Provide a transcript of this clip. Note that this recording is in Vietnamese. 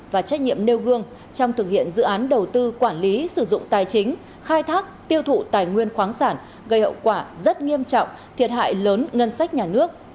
và trách nhiệm nêu gương trong thực hiện dự án đầu tư quản lý sử dụng tài chính khai thác tiêu thụ tài nguyên khoáng sản gây hậu quả rất nghiêm trọng thiệt hại lớn ngân sách nhà nước